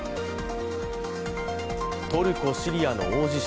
トルコ・シリアの大地震。